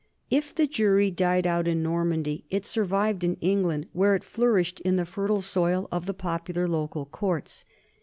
If the jury died out in Normandy, it survived in England, where it flourished in the fertile soil of the popular local courts.